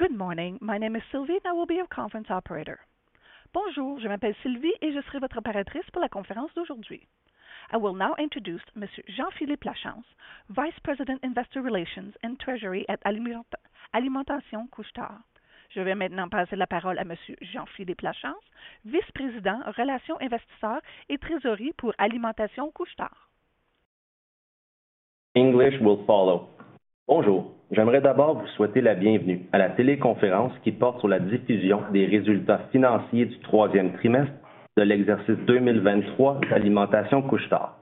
Good morning. My name is Sylvie, and I will be your conference operator. Bonjour, je m'appelle Sylvie, et je serai votre opératrice pour la conférence d'aujourd'hui. I will now introduce Monsieur Jean-Philippe Lachance, Vice President Investor Relations and Treasury at Alimentation Couche-Tard. Je vais maintenant passer la parole à Monsieur Jean-Philippe Lachance, vice-président Relations investisseurs et Trésorerie pour Alimentation Couche-Tard. English will follow. Bonjour, j'aimerais d'abord vous souhaiter la bienvenue à la téléconférence qui porte sur la diffusion des résultats financiers du troisième trimestre de l'exercice 2023 d'Alimentation Couche-Tard.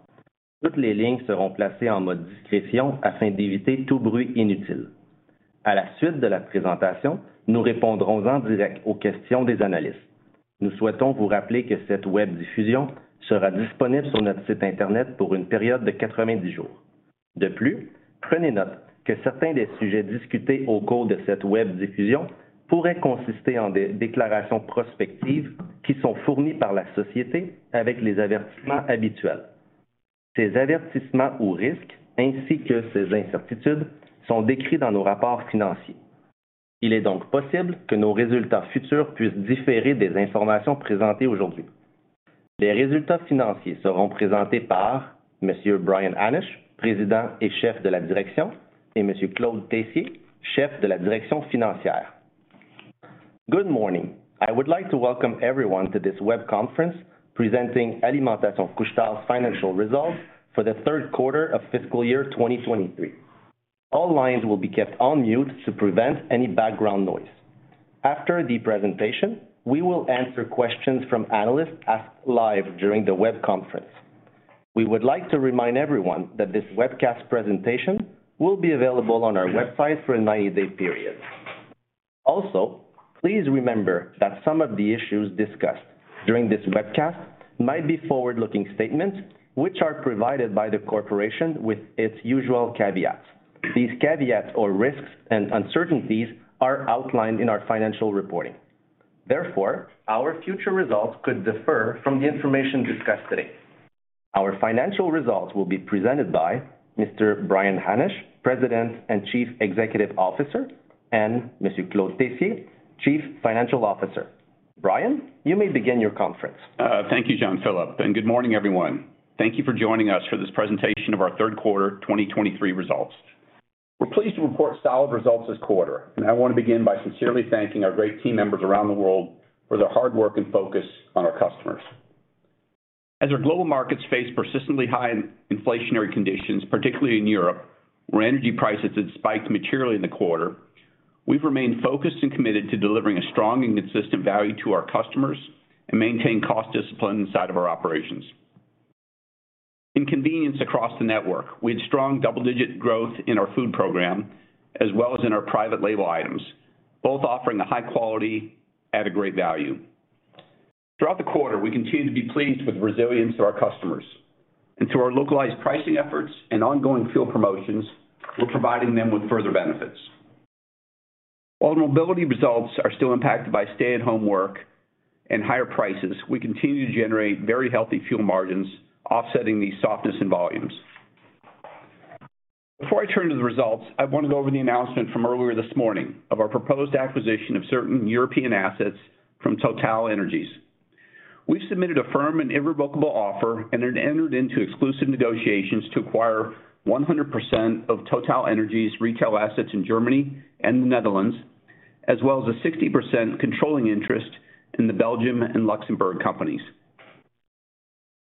Toutes les lignes seront placées en mode discrétion afin d'éviter tout bruit inutile. À la suite de la présentation, nous répondrons en direct aux questions des analystes. Nous souhaitons vous rappeler que cette webdiffusion sera disponible sur notre site Internet pour une période de 90 jours. De plus, prenez note que certains des sujets discutés au cours de cette webdiffusion pourraient consister en des déclarations prospectives qui sont fournies par la société avec les avertissements usuels. Ces avertissements ou risques, ainsi que ses incertitudes, sont décrits dans nos rapports financiers. Il est donc possible que nos résultats futurs puissent différer des informations présentées aujourd'hui. Les résultats financiers seront présentés par Monsieur Brian Hannasch, président et chef de la direction, et Monsieur Claude Tessier, chef de la direction financière. Good morning. I would like to welcome everyone to this web conference presenting Alimentation Couche-Tard's financial results for the third quarter of fiscal year 2023. All lines will be kept on mute to prevent any background noise. After the presentation, we will answer questions from analysts asked live during the web conference. We would like to remind everyone that this webcast presentation will be available on our website for a 90-day period. Please remember that some of the issues discussed during this webcast might be forward-looking statements which are provided by the Corporation with its usual caveats. These caveats or risks and uncertainties are outlined in our financial reporting. Our future results could differ from the information discussed today. Our financial results will be presented by Mr. Brian Hannasch, President and Chief Executive Officer, and Mr. Claude Tessier, Chief Financial Officer. Brian, you may begin your conference. Thank you, Jean-Philippe, good morning, everyone. Thank you for joining us for this presentation of our third quarter 2023 results. We're pleased to report solid results this quarter, I wanna begin by sincerely thanking our great team members around the world for their hard work and focus on our customers. As our global markets face persistently high inflationary conditions, particularly in Europe, where energy prices had spiked materially in the quarter, we've remained focused and committed to delivering a strong and consistent value to our customers and maintain cost discipline inside of our operations. In convenience across the network, we had strong double-digit growth in our food program as well as in our private label items, both offering a high quality at a great value. Throughout the quarter, we continue to be pleased with the resilience to our customers and through our localized pricing efforts and ongoing fuel promotions, we're providing them with further benefits. While mobility results are still impacted by stay-at-home work and higher prices, we continue to generate very healthy fuel margins, offsetting the softness in volumes. Before I turn to the results, I wanna go over the announcement from earlier this morning of our proposed acquisition of certain European assets from TotalEnergies. We've submitted a firm and irrevocable offer and have entered into exclusive negotiations to acquire 100% of TotalEnergies' retail assets in Germany and the Netherlands, as well as a 60% controlling interest in the Belgium and Luxembourg companies.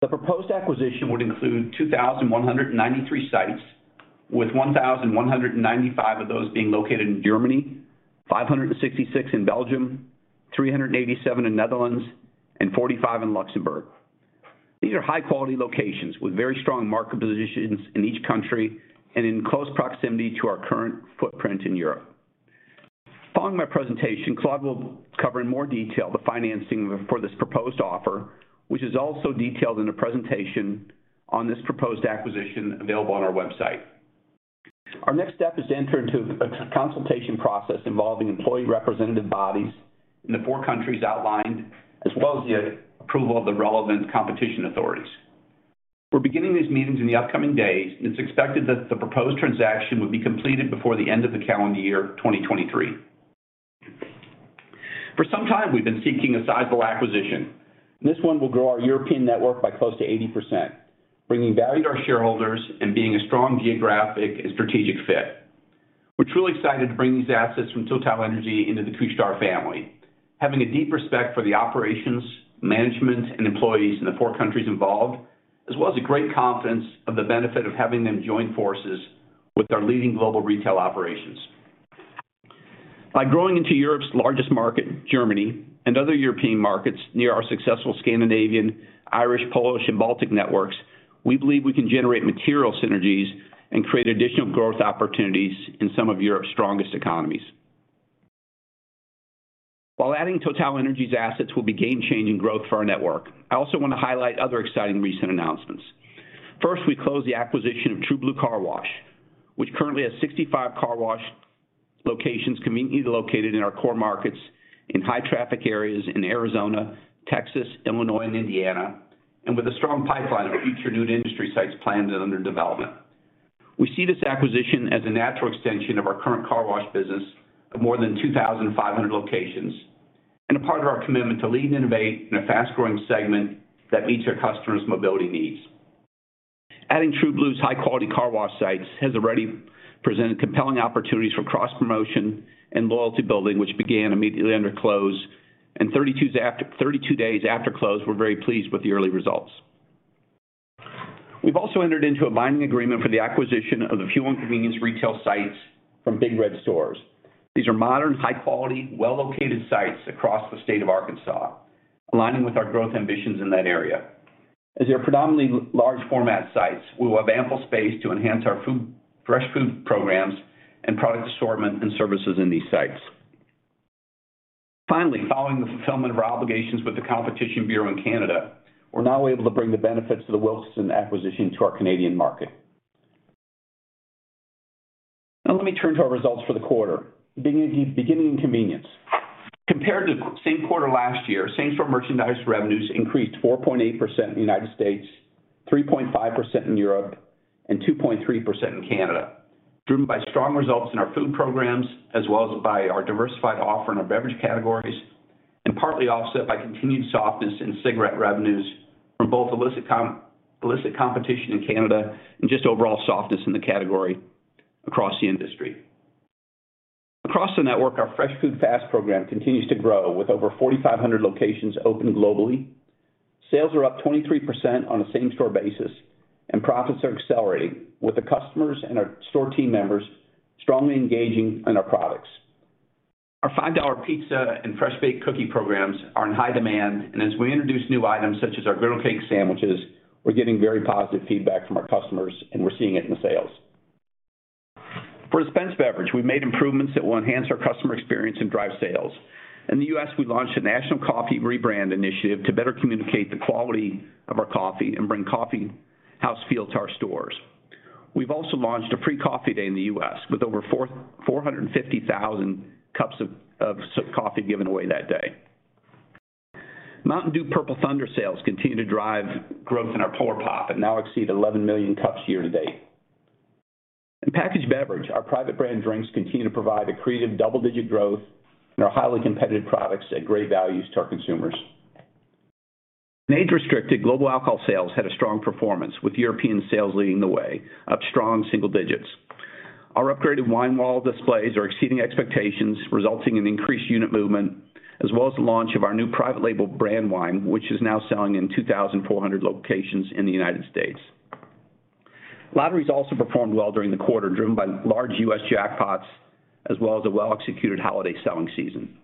The proposed acquisition would include 2,193 sites, with 1,195 of those being located in Germany, 566 in Belgium, 387 in Netherlands, and 45 in Luxembourg. These are high-quality locations with very strong market positions in each country and in close proximity to our current footprint in Europe. Following my presentation, Claude will cover in more detail the financing for this proposed offer, which is also detailed in a presentation on this proposed acquisition available on our website. Our next step is to enter into a consultation process involving employee representative bodies in the four countries outlined, as well as the approval of the relevant competition authorities. We're beginning these meetings in the upcoming days, and it's expected that the proposed transaction will be completed before the end of the calendar year 2023. For some time, we've been seeking a sizable acquisition. This one will grow our European network by close to 80%, bringing value to our shareholders and being a strong geographic and strategic fit. We're truly excited to bring these assets from TotalEnergies into the Couche-Tard family, having a deep respect for the operations, management, and employees in the four countries involved, as well as a great confidence of the benefit of having them join forces with our leading global retail operations. By growing into Europe's largest market, Germany, and other European markets near our successful Scandinavian, Irish, Polish, and Baltic networks, we believe we can generate material synergies and create additional growth opportunities in some of Europe's strongest economies. While adding TotalEnergies assets will be game-changing growth for our network, I also want to highlight other exciting recent announcements. First, we closed the acquisition of True Blue Car Wash, which currently has 65 car wash locations conveniently located in our core markets in high traffic areas in Arizona, Texas, Illinois, and Indiana, and with a strong pipeline of future new industry sites planned and under development. We see this acquisition as a natural extension of our current car wash business of more than 2,500 locations and a part of our commitment to lead and innovate in a fast-growing segment that meets our customers' mobility needs. Adding True Blue's high-quality car wash sites has already presented compelling opportunities for cross-promotion and loyalty building, which began immediately under close. 32 days after close, we're very pleased with the early results. We've also entered into a binding agreement for the acquisition of the fuel and convenience retail sites from Big Red Stores. These are modern, high-quality, well-located sites across the state of Arkansas, aligning with our growth ambitions in that area. As they are predominantly large format sites, we will have ample space to enhance our fresh food programs and product assortment and services in these sites. Finally, following the fulfillment of our obligations with the Competition Bureau in Canada, we're now able to bring the benefits of the Wilsons acquisition to our Canadian market. Now let me turn to our results for the quarter, beginning in convenience. Compared to same quarter last year, same-store merchandise revenues increased 4.8% in the United States, 3.5% in Europe, and 2.3% in Canada, driven by strong results in our food programs as well as by our diversified offer in our beverage categories, and partly offset by continued softness in cigarette revenues from both illicit competition in Canada and just overall softness in the category across the industry. Across the network, our Fresh Food, Fast program continues to grow with over 4,500 locations open globally. Sales are up 23% on a same-store basis, and profits are accelerating, with the customers and our store team members strongly engaging in our products. Our $5 pizza and fresh-baked cookie programs are in high demand. As we introduce new items such as our Griddle Cake sandwiches, we're getting very positive feedback from our customers. We're seeing it in the sales. For dispensed beverage, we've made improvements that will enhance our customer experience and drive sales. In the U.S., we launched a national coffee rebrand initiative to better communicate the quality of our coffee and bring coffee house feel to our stores. We've also launched a free coffee day in the U.S. with over 450,000 cups of coffee given away that day. Mountain Dew Purple Thunder sales continue to drive growth in our Polar Pop and now exceed 11 million cups year to date. In packaged beverage, our private brand drinks continue to provide accretive double-digit growth in our highly competitive products at great values to our consumers. Age-restricted global alcohol sales had a strong performance, with European sales leading the way, up strong single digits. Our upgraded wine wall displays are exceeding expectations, resulting in increased unit movement, as well as the launch of our new private label brand wine, which is now selling in 2,400 locations in the United States. Lotteries also performed well during the quarter, driven by large U.S. jackpots as well as a well-executed holiday selling season.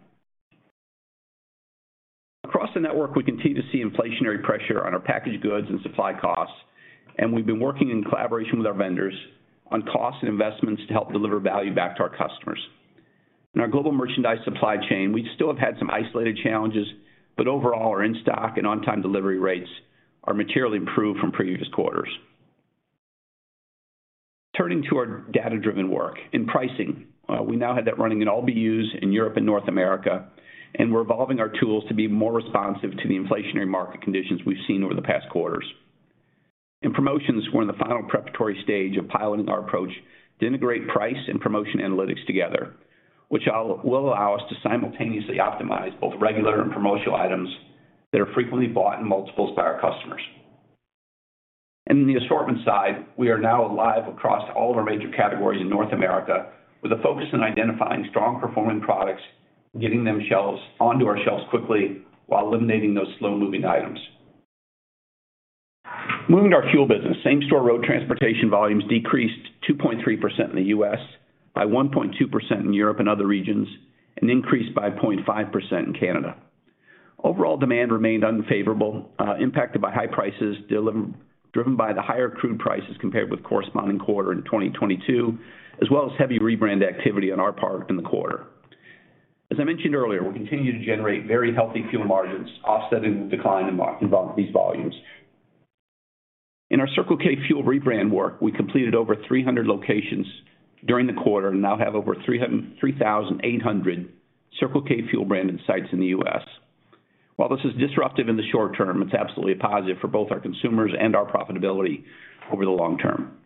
Across the network, we continue to see inflationary pressure on our packaged goods and supply costs, and we've been working in collaboration with our vendors on costs and investments to help deliver value back to our customers. In our global merchandise supply chain, we still have had some isolated challenges. Overall, our in-stock and on-time delivery rates are materially improved from previous quarters. Turning to our data-driven work. In pricing, we now have that running in all BUs in Europe and North America, and we're evolving our tools to be more responsive to the inflationary market conditions we've seen over the past quarters. In promotions, we're in the final preparatory stage of piloting our approach to integrate price and promotion analytics together, which will allow us to simultaneously optimize both regular and promotional items that are frequently bought in multiples by our customers. In the assortment side, we are now live across all of our major categories in North America with a focus on identifying strong performing products, getting them onto our shelves quickly while eliminating those slow-moving items. Moving to our fuel business. Same-store road transportation volumes decreased 2.3% in the U.S., by 1.2% in Europe and other regions, and increased by 0.5% in Canada. Overall demand remained unfavorable, impacted by high prices driven by the higher crude prices compared with corresponding quarter in 2022, as well as heavy rebrand activity on our part in the quarter. As I mentioned earlier, we continue to generate very healthy fuel margins, offsetting the decline in these volumes. In our Circle K fuel rebrand work, we completed over 300 locations during the quarter and now have over 3,800 Circle K fuel branded sites in the U.S. While this is disruptive in the short term, it's absolutely a positive for both our consumers and our profitability over the long term.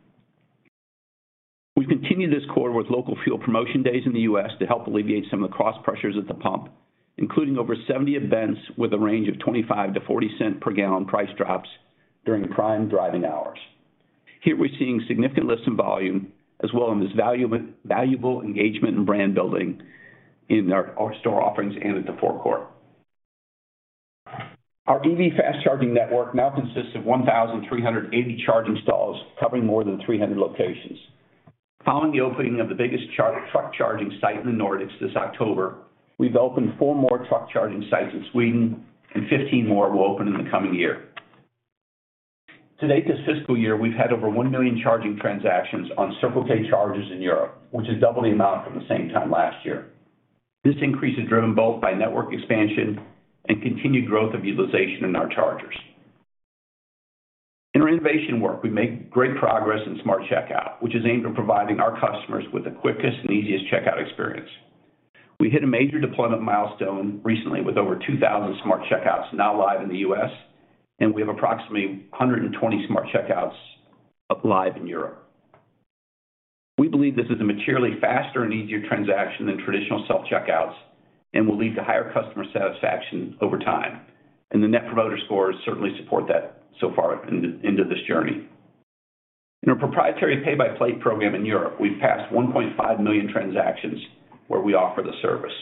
We've continued this quarter with local fuel promotion days in the U.S. to help alleviate some of the cost pressures at the pump, including over 70 events with a range of $0.25-$0.40 per gallon price drops during prime driving hours. Here, we're seeing significant lift in volume as well in this valuable engagement and brand building in our store offerings and at the forecourt. Our EV fast charging network now consists of 1,380 charging stalls covering more than 300 locations. Following the opening of the biggest truck charging site in the Nordics this October, we've opened four more truck charging sites in Sweden, and 15 more will open in the coming year. To date, this fiscal year, we've had over 1 million charging transactions on Circle K chargers in Europe, which is double the amount from the same time last year. This increase is driven both by network expansion and continued growth of utilization in our chargers. In our innovation work, we made great progress in Smart Checkout, which is aimed at providing our customers with the quickest and easiest checkout experience. We hit a major deployment milestone recently with over 2,000 Smart Checkouts now live in the U.S., and we have approximately 120 Smart Checkouts up live in Europe. We believe this is a materially faster and easier transaction than traditional self-checkouts and will lead to higher customer satisfaction over time. The Net Promoter Scores certainly support that so far into this journey. In our proprietary Pay by Plate program in Europe, we've passed 1.5 million transactions where we offer the service.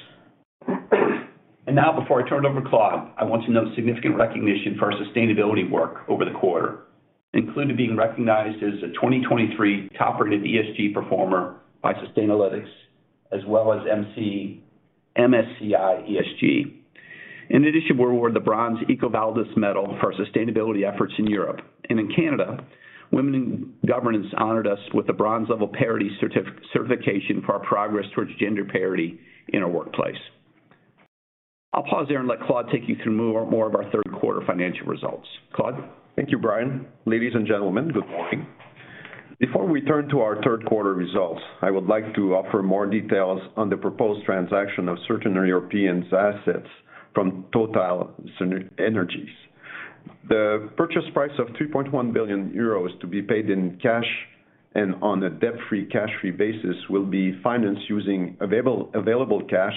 Now before I turn it over to Claude, I want to note significant recognition for our sustainability work over the quarter, including being recognized as a 2023 top-rated ESG performer by Sustainalytics, as well as MSCI ESG. In addition, we were awarded the Bronze EcoVadis Medal for our sustainability efforts in Europe. In Canada, Women in Governance honored us with the bronze-level parity certification for our progress towards gender parity in our workplace. I'll pause there and let Claude take you through more of our third quarter financial results. Claude. Thank you, Brian. Ladies and gentlemen, good morning. Before we turn to our third quarter results, I would like to offer more details on the proposed transaction of certain European assets from TotalEnergies. The purchase price of 2.1 billion euros to be paid in cash and on a debt-free, cash-free basis will be financed using available cash,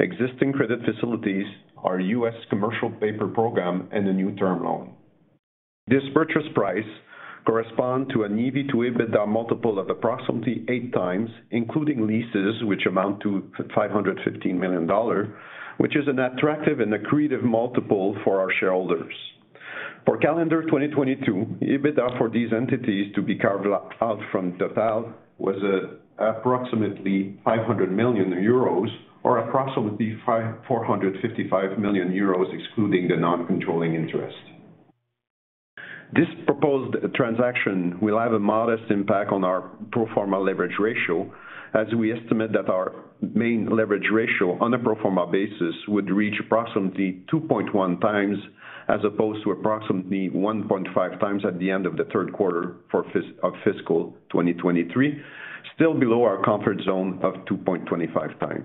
existing credit facilities, our U.S. commercial paper program, and a new term loan. This purchase price correspond to an EV/EBITDA multiple of approximately 8x, including leases which amount to $515 million, which is an attractive and accretive multiple for our shareholders. For calendar 2022, EBITDA for these entities to be carved out from TotalEnergies was approximately 500 million euros or approximately 455 million euros excluding the non-controlling interest. This proposed transaction will have a modest impact on our pro forma leverage ratio, as we estimate that our main leverage ratio on a pro forma basis would reach approximately 2.1x, as opposed to approximately 1.5x at the end of the third quarter of fiscal 2023, still below our comfort zone of 2.25x.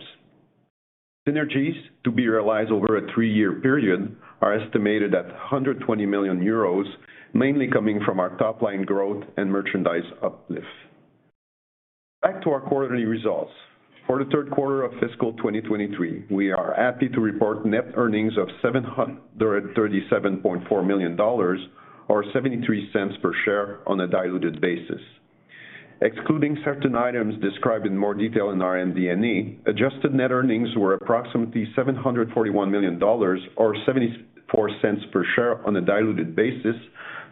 Synergies to be realized over a three-year period are estimated at 120 million euros, mainly coming from our top-line growth and merchandise uplift. Back to our quarterly results. For the third quarter of fiscal 2023, we are happy to report net earnings of $737.4 million or $0.73 per share on a diluted basis. Excluding certain items described in more detail in our MD&A, adjusted net earnings were approximately $741 million or $0.74 per share on a diluted basis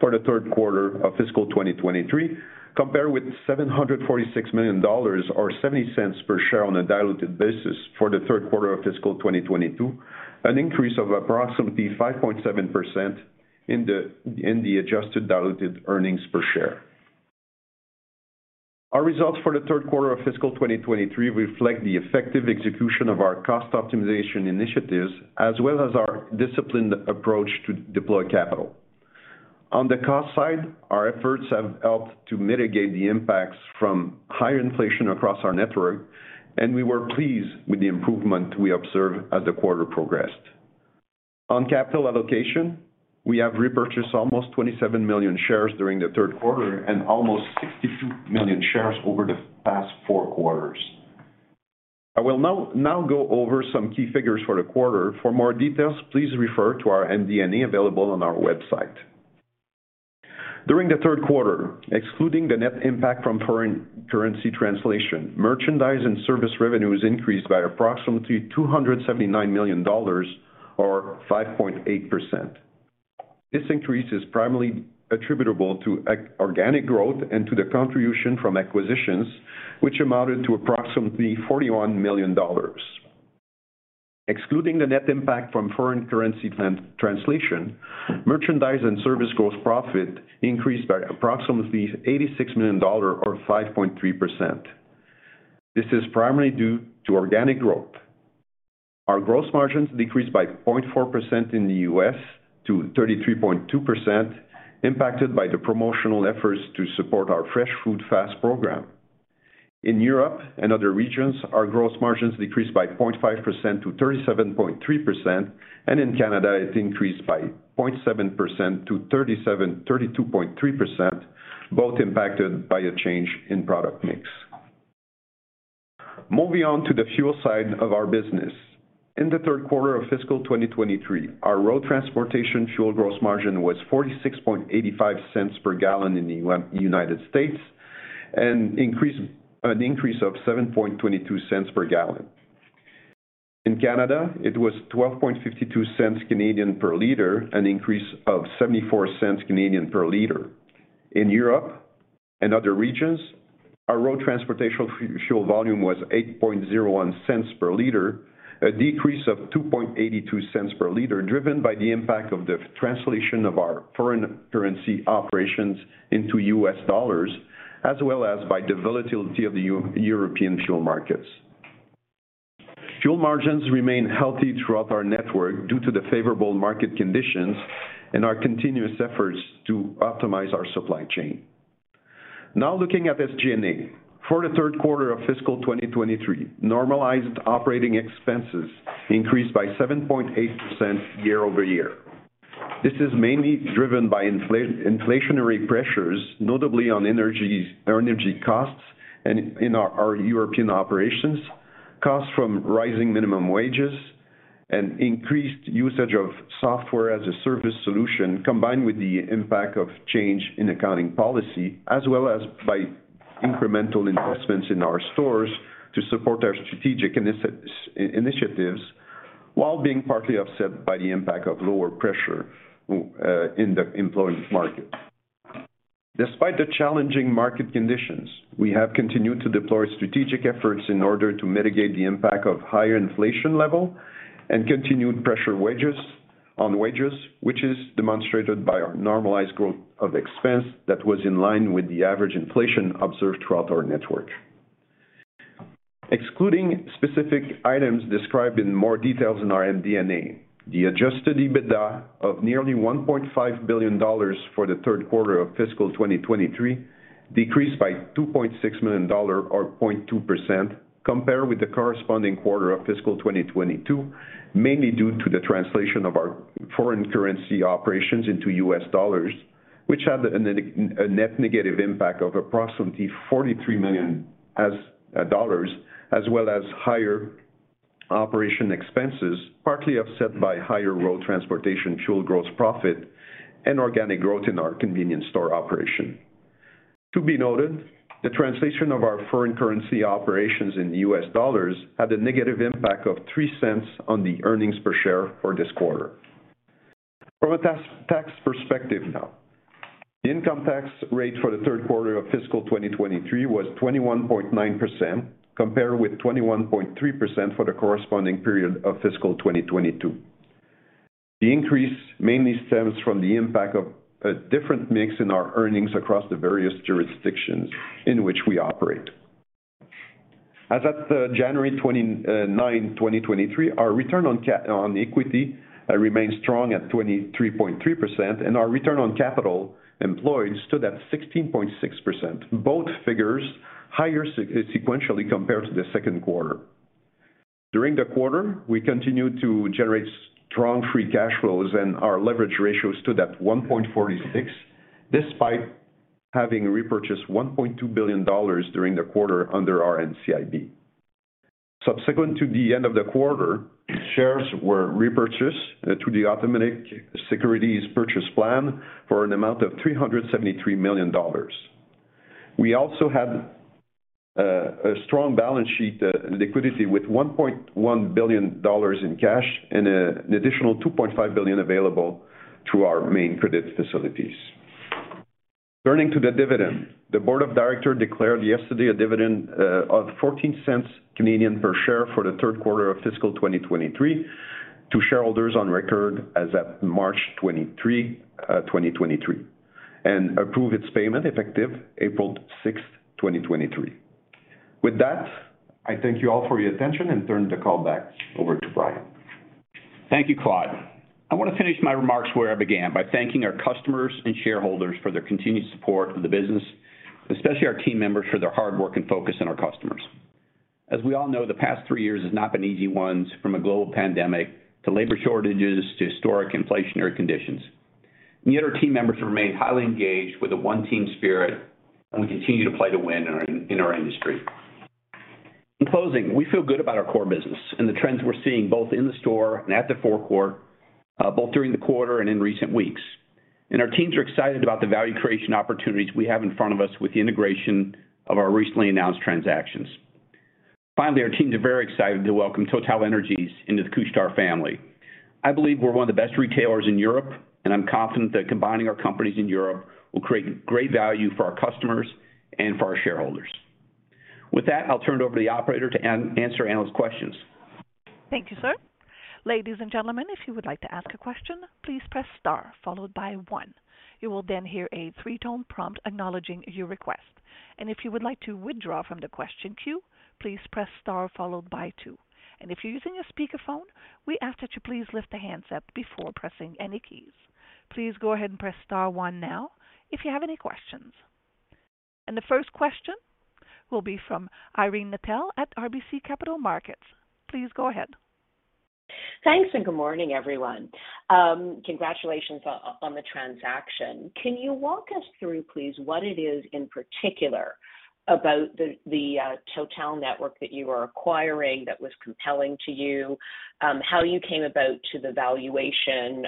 for the third quarter of fiscal 2023, compared with $746 million or $0.70 per share on a diluted basis for the third quarter of fiscal 2022, an increase of approximately 5.7% in the adjusted diluted earnings per share. Our results for the third quarter of fiscal 2023 reflect the effective execution of our cost optimization initiatives, as well as our disciplined approach to deploy capital. On the cost side, our efforts have helped to mitigate the impacts from higher inflation across our network, and we were pleased with the improvement we observed as the quarter progressed. On capital allocation, we have repurchased almost 27 million shares during the third quarter and almost 62 million shares over the past four quarters. I will now go over some key figures for the quarter. For more details, please refer to our MD&A available on our website. During the third quarter, excluding the net impact from foreign currency translation, merchandise and service revenues increased by approximately $279 million or 5.8%. This increase is primarily attributable to organic growth and to the contribution from acquisitions, which amounted to approximately $41 million. Excluding the net impact from foreign currency translation, merchandise and service gross profit increased by approximately $86 million or 5.3%. This is primarily due to organic growth. Our gross margins decreased by 0.4% in the U.S. to 33.2% impacted by the promotional efforts to support our Fresh Food, Fast program. In Europe and other regions, our gross margins decreased by 0.5% to 37.3%, and in Canada it increased by 0.7% to 32.3%, both impacted by a change in product mix. Moving on to the fuel side of our business. In the third quarter of fiscal 2023, our road transportation fuel gross margin was $0.4685 per gallon in the United States, an increase of $0.0722 per gallon. In Canada, it was 0.1252 per liter, an increase of 0.74 per liter. In Europe and other regions, our road transportation fuel volume was $8.01 per liter, a decrease of 2.82 per liter, driven by the impact of the translation of our foreign currency operations into U.S. dollars, as well as by the volatility of the European fuel markets. Fuel margins remain healthy throughout our network due to the favorable market conditions and our continuous efforts to optimize our supply chain. Now looking at SG&A. For the third quarter of fiscal 2023, normalized operating expenses increased by 7.8% year-over-year. This is mainly driven by inflationary pressures, notably on energy costs and in our European operations, costs from rising minimum wages and increased usage of Software-as-a-Service solution, combined with the impact of change in accounting policy, as well as by incremental investments in our stores to support our strategic initiatives, while being partly offset by the impact of lower pressure in the employment market. Despite the challenging market conditions, we have continued to deploy strategic efforts in order to mitigate the impact of higher inflation level and continued pressure on wages, which is demonstrated by our normalized growth of expense that was in line with the average inflation observed throughout our network. Excluding specific items described in more details in our MD&A, the adjusted EBITDA of nearly $1.5 billion for the third quarter of fiscal 2023 decreased by $2.6 million or 0.2% compared with the corresponding quarter of fiscal 2022, mainly due to the translation of our foreign currency operations into U.S. dollars, which had a net negative impact of approximately $43 million as well as higher operation expenses, partly offset by higher road transportation fuel gross profit and organic growth in our convenience store operation. To be noted, the translation of our foreign currency operations in U.S. dollars had a negative impact of $0.03 on the earnings per share for this quarter. From a tax perspective now. The income tax rate for the third quarter of fiscal 2023 was 21.9% compared with 21.3% for the corresponding period of fiscal 2022. The increase mainly stems from the impact of a different mix in our earnings across the various jurisdictions in which we operate. As of January 29, 2023, our return on equity remains strong at 23.3%, and our return on capital employed stood at 16.6%, both figures higher sequentially compared to the second quarter. During the quarter, we continued to generate strong free cash flows and our leverage ratio stood at 1.46, despite having repurchased $1.2 billion during the quarter under our NCIB. Subsequent to the end of the quarter, shares were repurchased through the automatic securities purchase plan for an amount of $373 million. We also had a strong balance sheet liquidity with $1.1 billion in cash and an additional $2.5 billion available through our main credit facilities. Turning to the dividend. The board of directors declared yesterday a dividend of 0.14 per share for the third quarter of fiscal 2023 to shareholders on record as of March 23, 2023, and approve its payment effective April 6, 2023. With that, I thank you all for your attention and turn the call back over to Brian. Thank you, Claude. I want to finish my remarks where I began by thanking our customers and shareholders for their continued support of the business, especially our team members for their hard work and focus on our customers. As we all know, the past three years has not been easy ones, from a global pandemic to labor shortages to historic inflationary conditions. Our team members have remained highly engaged with a one team spirit, and we continue to play to win in our industry. In closing, we feel good about our core business and the trends we're seeing both in the store and at the forecourt, both during the quarter and in recent weeks. Our teams are excited about the value creation opportunities we have in front of us with the integration of our recently announced transactions. Our teams are very excited to welcome TotalEnergies into the Couche-Tard family. I believe we're one of the best retailers in Europe, and I'm confident that combining our companies in Europe will create great value for our customers and for our shareholders. With that, I'll turn it over to the operator to answer analyst questions. Thank you, sir. Ladies and gentlemen, if you would like to ask a question, please press star followed by one. You will then hear a three-tone prompt acknowledging your request. If you would like to withdraw from the question queue, please press star followed by two. If you're using a speakerphone, we ask that you please lift the handset before pressing any keys. Please go ahead and press star one now if you have any questions. The first question will be from Irene Nattel at RBC Capital Markets. Please go ahead. Thanks. Good morning, everyone. Congratulations on the transaction. Can you walk us through, please, what it is in particular about the TotalEnergies network that you are acquiring that was compelling to you, how you came about to the valuation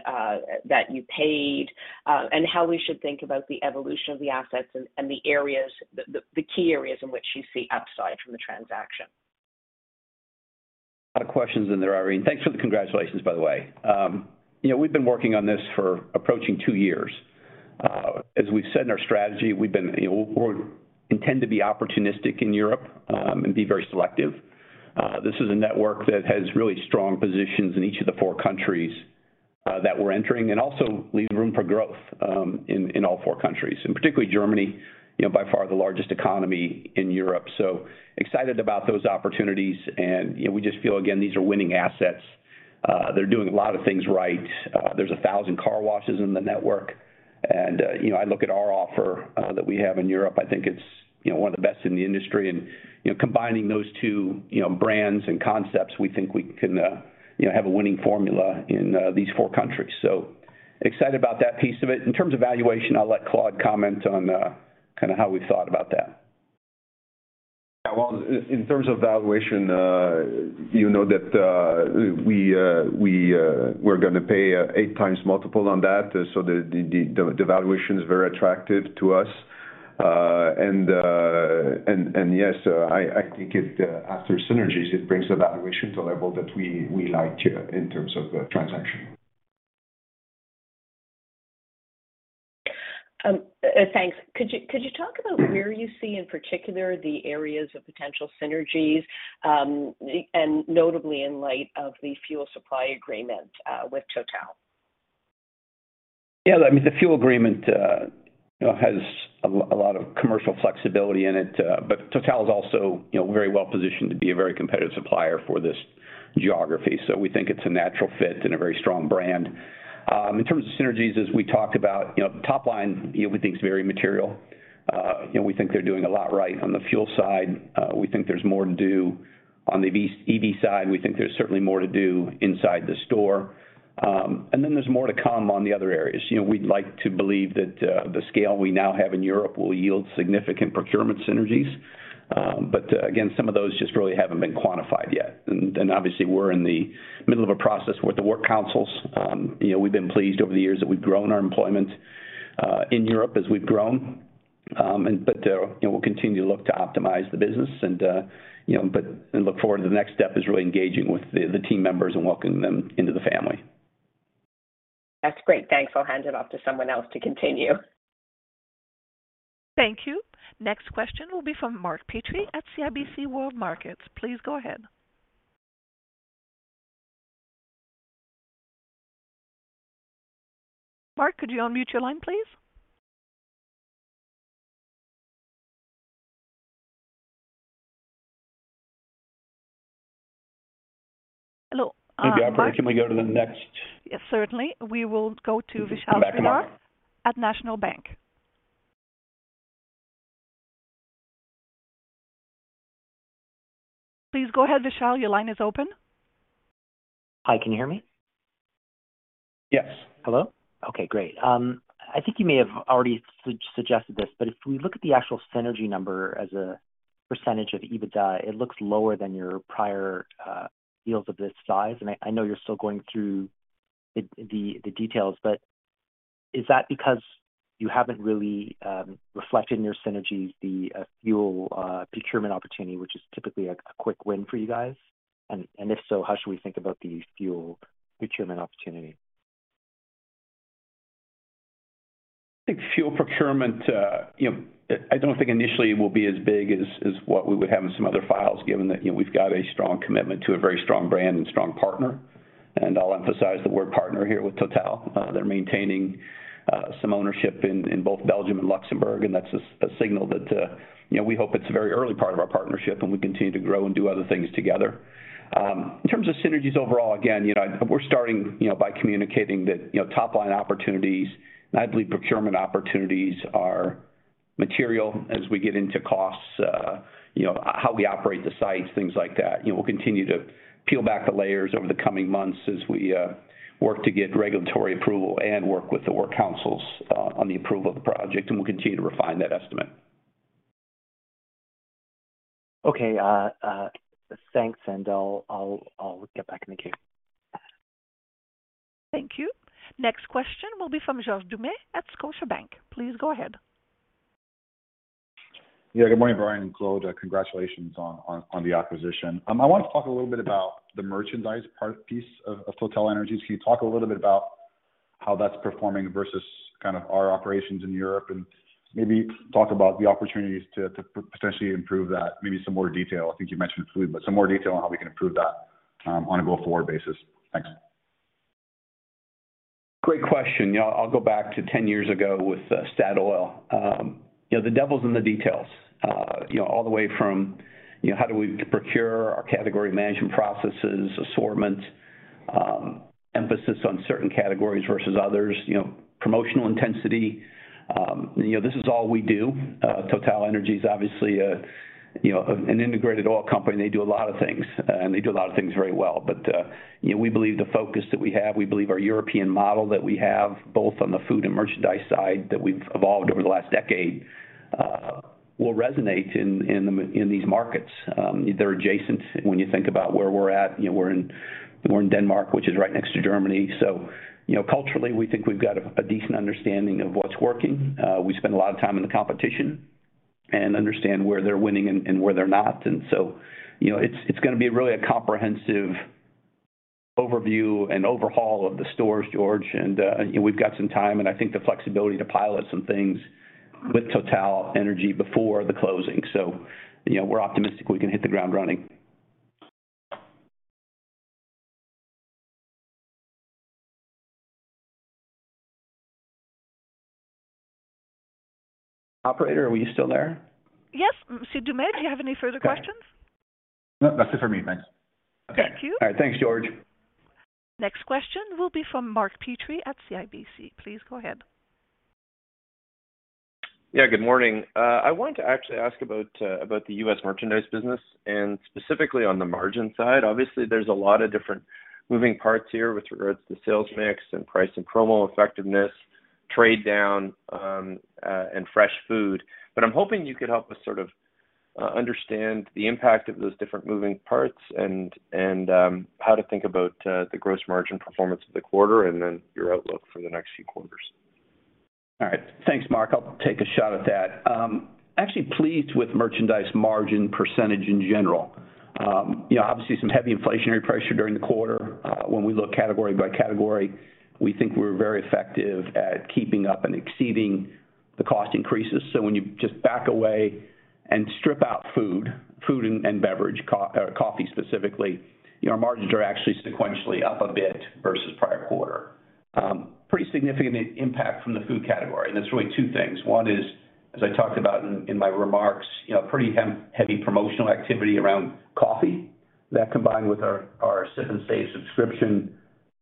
that you paid, and how we should think about the evolution of the assets and the areas, the key areas in which you see upside from the transaction? A lot of questions in there, Irene. Thanks for the congratulations, by the way. You know, we've been working on this for approaching two years. As we've said in our strategy, we've been, you know, we intend to be opportunistic in Europe and be very selective. This is a network that has really strong positions in each of the four countries that we're entering, and also leaves room for growth in all four countries, and particularly Germany, you know, by far the largest economy in Europe. Excited about those opportunities. You know, we just feel, again, these are winning assets. They're doing a lot of things right. There's 1,000 car washes in the network. You know, I look at our offer that we have in Europe, I think it's, you know, one of the best in the industry. You know, combining those two, you know, brands and concepts, we think we can, you know, have a winning formula in these four countries. Excited about that piece of it. In terms of valuation, I'll let Claude comment on kind of how we thought about that. In terms of valuation, you know that we're gonna pay 8x multiple on that. The valuation is very attractive to us. Yes, I think it after synergies, it brings the valuation to a level that we like here in terms of the transaction. Thanks. Could you talk about where you see in particular the areas of potential synergies, and notably in light of the fuel supply agreement with Total? Yeah. I mean, the fuel agreement, you know, has a lot of commercial flexibility in it. Total is also, you know, very well-positioned to be a very competitive supplier for this geography. We think it's a natural fit and a very strong brand. In terms of synergies, as we talk about, you know, top line, you know, we think is very material. You know, we think they're doing a lot right on the fuel side. We think there's more to do on the EV side. We think there's certainly more to do inside the store. There's more to come on the other areas. You know, we'd like to believe that the scale we now have in Europe will yield significant procurement synergies. Again, some of those just really haven't been quantified yet. Obviously, we're in the middle of a process with the work councils. You know, we've been pleased over the years that we've grown our employment in Europe as we've grown. You know, we'll continue to look to optimize the business and look forward to the next step is really engaging with the team members and welcoming them into the family. That's great. Thanks. I'll hand it off to someone else to continue. Thank you. Next question will be from Mark Petrie at CIBC World Markets. Please go ahead. Mark, could you unmute your line, please? Hello. Hey, operator, can we go to the next-. Yes, certainly. We will go to Vishal Shreedhar. Can we come back tomorrow? At National Bank. Please go ahead, Vishal. Your line is open. Hi, can you hear me? Yes. Hello. Okay, great. I think you may have already suggested this, but if we look at the actual synergy number as a percentage of EBITDA, it looks lower than your prior deals of this size. I know you're still going through the details, but is that because you haven't really reflected in your synergies the fuel procurement opportunity, which is typically a quick win for you guys? If so, how should we think about the fuel procurement opportunity? I think fuel procurement, you know, I don't think initially it will be as big as what we would have in some other files, given that, you know, we've got a strong commitment to a very strong brand and strong partner. I'll emphasize the word partner here with Total. They're maintaining some ownership in both Belgium and Luxembourg, and that's a signal that, you know, we hope it's a very early part of our partnership, and we continue to grow and do other things together. In terms of synergies overall, again, you know, we're starting, you know, by communicating that, you know, top line opportunities, and I believe procurement opportunities are material as we get into costs, you know, how we operate the sites, things like that. You know, we'll continue to peel back the layers over the coming months as we work to get regulatory approval and work with the work councils on the approval of the project, and we'll continue to refine that estimate. Okay. thanks, and I'll get back in the queue. Thank you. Next question will be from George Doumet at Scotiabank. Please go ahead. Yeah, good morning, Brian and Claude. Congratulations on the acquisition. I want to talk a little bit about the merchandise piece of TotalEnergies. Can you talk a little bit about how that's performing versus kind of our operations in Europe? Maybe talk about the opportunities to potentially improve that, maybe some more detail. I think you mentioned food, but some more detail on how we can improve that on a go-forward basis. Thanks. Great question. You know, I'll go back to 10 years ago with Statoil. You know, the devil's in the details. You know, all the way from, you know, how do we procure our category management processes, assortments, emphasis on certain categories versus others, you know, promotional intensity. You know, this is all we do. TotalEnergies is obviously a, you know, an integrated oil company. They do a lot of things, and they do a lot of things very well. You know, we believe the focus that we have, we believe our European model that we have, both on the food and merchandise side, that we've evolved over the last decade, will resonate in the, in these markets. They're adjacent when you think about where we're at. You know, we're in, we're in Denmark, which is right next to Germany. You know, culturally, we think we've got a decent understanding of what's working. We spend a lot of time in the competition and understand where they're winning and where they're not. You know, it's gonna be really a comprehensive overview and overhaul of the stores, George. You know, we've got some time, and I think the flexibility to pilot some things with TotalEnergies before the closing. You know, we're optimistic we can hit the ground running. Operator, are we still there? Yes. Mr. Doumet, do you have any further questions? No, that's it for me. Thanks. Thank you. All right. Thanks, George. Next question will be from Mark Petrie at CIBC. Please go ahead. Yeah, good morning. I wanted to actually ask about the U.S. merchandise business, and specifically on the margin side. Obviously, there's a lot of different moving parts here with regards to sales mix and price and promo effectiveness, trade down, and fresh food. I'm hoping you could help us sort of understand the impact of those different moving parts and how to think about the gross margin performance of the quarter and then your outlook for the next few quarters. All right. Thanks, Mark. Actually pleased with merchandise margin % in general. You know, obviously some heavy inflationary pressure during the quarter. When we look category by category, we think we're very effective at keeping up and exceeding the cost increases. When you just back away and strip out food and beverage, coffee specifically, your margins are actually sequentially up a bit versus prior quarter. Pretty significant impact from the food category, and it's really two things. One is, as I talked about in my remarks, you know, pretty heavy promotional activity around coffee. That combined with our Sip & Save subscription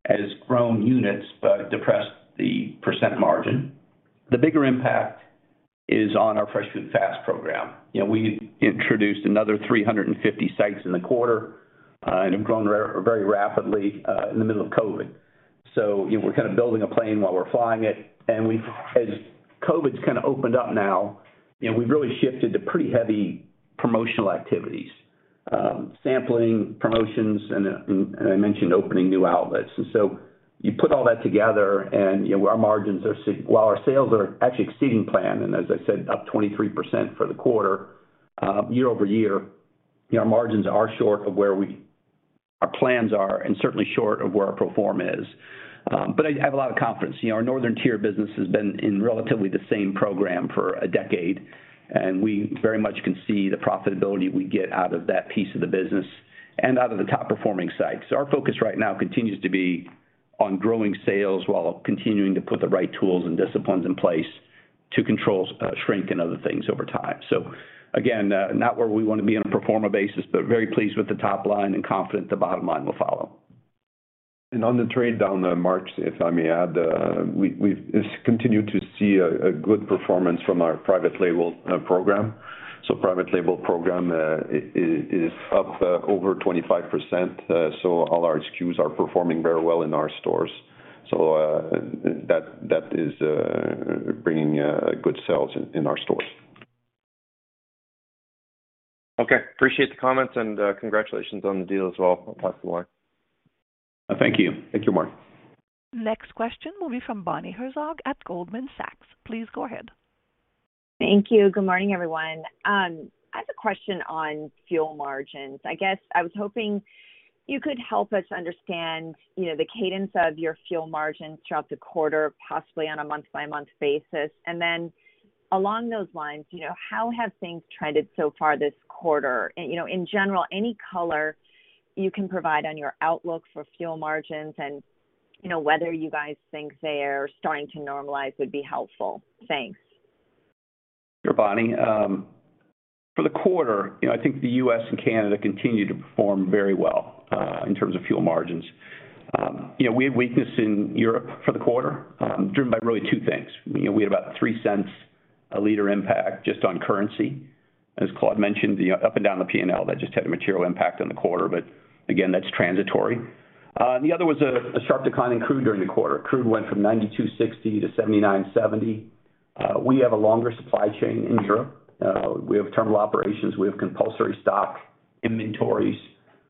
has grown units but depressed the % margin. The bigger impact is on our Fresh Food, Fast program. You know, we introduced another 350 sites in the quarter, and have grown very, very rapidly in the middle of COVID. You know, we're kind of building a plane while we're flying it. We've as COVID's kind of opened up now, you know, we've really shifted to pretty heavy promotional activities, sampling promotions and I mentioned opening new outlets. You put all that together and, you know, our margins are While our sales are actually exceeding plan, and as I said, up 23% for the quarter, year-over-year, you know, our margins are short of where our plans are and certainly short of where our pro forma is. I have a lot of confidence. You know, our northern tier business has been in relatively the same program for a decade, and we very much can see the profitability we get out of that piece of the business and out of the top-performing sites. Our focus right now continues to be on growing sales while continuing to put the right tools and disciplines in place to control shrink and other things over time. Again, not where we wanna be on a pro forma basis, but very pleased with the top line and confident the bottom line will follow. On the trade down the march, if I may add, we've just continued to see a good performance from our private label program. Private label program is up over 25%. All our SKUs are performing very well in our stores. That is bringing good sales in our stores. Okay. Appreciate the comments, congratulations on the deal as well. I'll talk to you more. Thank you. Thank you, Mark. Next question will be from Bonnie Herzog at Goldman Sachs. Please go ahead. Thank you. Good morning, everyone. I have a question on fuel margins. I guess I was hoping you could help us understand, you know, the cadence of your fuel margins throughout the quarter, possibly on a month-by-month basis. Then along those lines, you know, how have things trended so far this quarter? You know, in general, any color you can provide on your outlook for fuel margins and, you know, whether you guys think they are starting to normalize would be helpful. Thanks. Sure, Bonnie. For the quarter, you know, I think the U.S. and Canada continue to perform very well in terms of fuel margins. You know, we have weakness in Europe for the quarter, driven by really two things. You know, we had about $0.03 a liter impact just on currency. As Claude mentioned, up and down the P&L, that just had a material impact on the quarter, but again, that's transitory. The other was a sharp decline in crude during the quarter. Crude went from $92.60 to $79.70. We have a longer supply chain in Europe. We have terminal operations. We have compulsory stock inventories.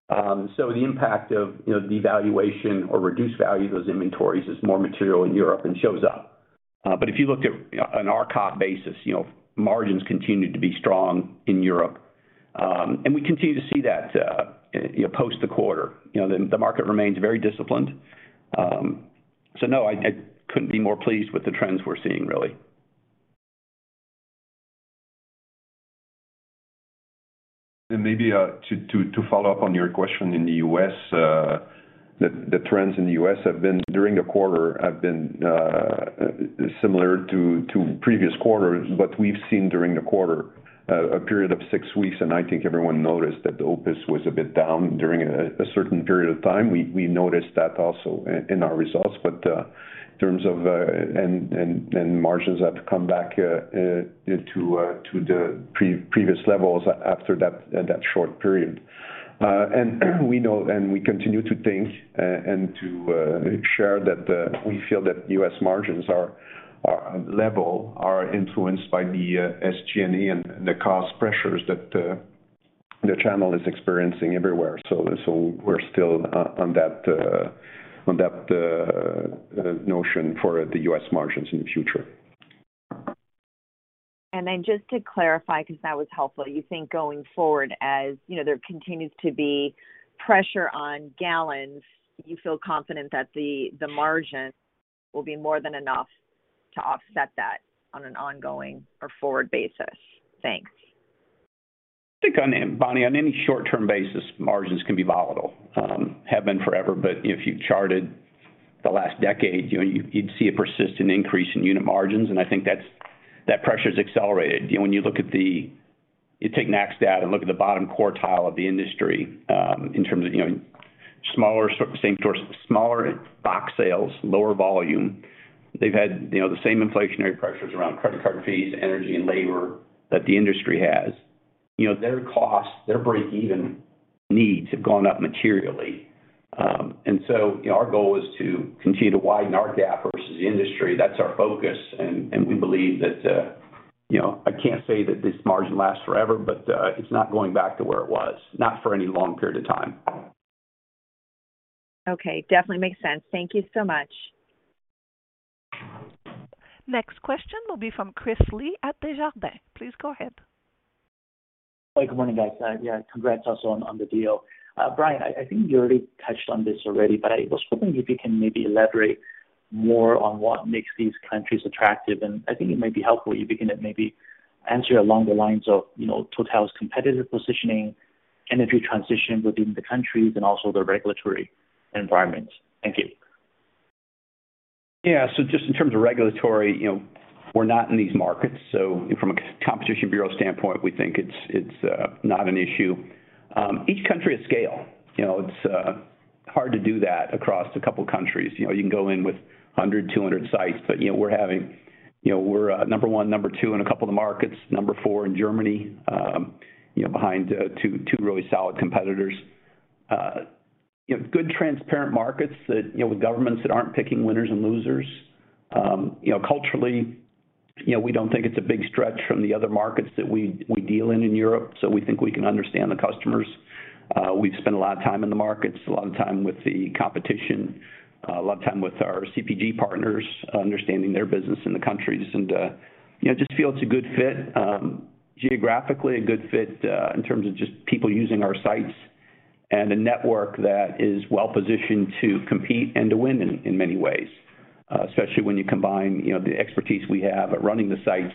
The impact of, you know, the evaluation or reduced value of those inventories is more material in Europe and shows up. If you looked at, you know, on our COG basis, you know, margins continued to be strong in Europe. We continue to see that, you know, post the quarter. You know, the market remains very disciplined. No, I couldn't be more pleased with the trends we're seeing, really. Maybe to follow up on your question in the U.S., the trends in the U.S. have been, during the quarter, have been similar to previous quarters, but we've seen during the quarter a period of six weeks, and I think everyone noticed that the OPIS was a bit down during a certain period of time. We noticed that also in our results, but in terms of, and margins have come back to the pre-previous levels after that short period. We know and we continue to think and to share that we feel that U.S. margins are level, are influenced by the SG&A and the cost pressures that the channel is experiencing everywhere. We're still on that, on that, notion for the U.S. margins in the future. Then just to clarify, 'cause that was helpful, you think going forward, as, you know, there continues to be pressure on gallons, you feel confident that the margin will be more than enough to offset that on an ongoing or forward basis? Thanks. I think Bonnie, on any short-term basis, margins can be volatile, have been forever. If you charted the last decade, you know, you'd see a persistent increase in unit margins, and I think that pressure is accelerated. You know, when you look at the NACS data and look at the bottom quartile of the industry, in terms of, you know, smaller box sales, lower volume. They've had, you know, the same inflationary pressures around credit card fees, energy and labor that the industry has. You know, their costs, their break-even needs have gone up materially. You know, our goal is to continue to widen our gap versus the industry. That's our focus. We believe that, you know, I can't say that this margin lasts forever, it's not going back to where it was. Not for any long period of time. Okay. Definitely makes sense. Thank you so much. Next question will be from Chris Li at Desjardins. Please go ahead. Good morning, guys. yeah, congrats also on the deal. Brian, I think you already touched on this already, but I was hoping if you can maybe elaborate more on what makes these countries attractive. I think it might be helpful if you can maybe answer along the lines of, you know, TotalEnergies' competitive positioning, energy transition within the countries and also the regulatory environment. Thank you. Just in terms of regulatory, you know, we're not in these markets, so from a Competition Bureau standpoint, we think it's not an issue. Each country is scale. You know, it's hard to do that across a couple of countries. You know, you can go in with 100, 200 sites, but, you know, we're number one, number two in a couple of markets, number four in Germany, you know, behind two really solid competitors. You know, good transparent markets that, you know, with governments that aren't picking winners and losers. You know, culturally, you know, we don't think it's a big stretch from the other markets that we deal in Europe, so we think we can understand the customers. We've spent a lot of time in the markets, a lot of time with the competition, a lot of time with our CPG partners, understanding their business in the countries. You know, just feel it's a good fit, geographically a good fit, in terms of just people using our sites and a network that is well-positioned to compete and to win in many ways, especially when you combine, you know, the expertise we have at running the sites